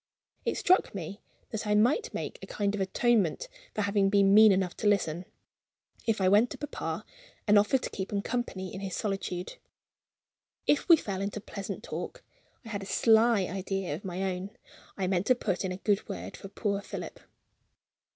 It struck me that I might make a kind of atonement for having been mean enough to listen, if I went to papa, and offered to keep him company in his solitude. If we fell into pleasant talk, I had a sly idea of my own I meant to put in a good word for poor Philip.